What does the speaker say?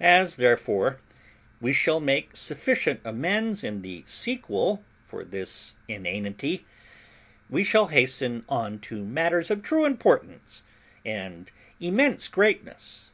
As, therefore, we shall make sufficient amends in the sequel for this inanity, we shall hasten on to matters of true importance and immense greatness.